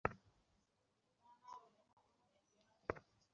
বৈশ্বিক সূত্রে বলতে চাই আমরা যাতে মৌলবাদ, সহিংসতা থেকে দূরে থাকতে পারি।